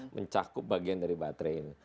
mencakup bagian dari baterai